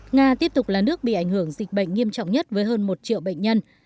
nga tiếp tục là nước bị ảnh hưởng dịch bệnh nghiêm trọng nhất với hơn một triệu bệnh nhân